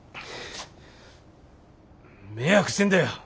迷惑してんだよ。